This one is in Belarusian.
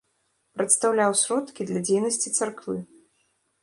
Прадстаўляў сродкі для дзейнасці царквы.